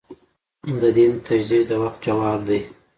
د دین تجدید د وخت ځواب دی.